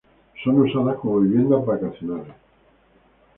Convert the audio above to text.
Son usadas como viviendas vacacionales.